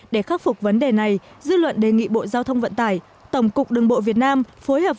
để khắc phục vấn đề này dư luận đề nghị bộ giao thông vận tải tổng cục đường bộ việt nam phối hợp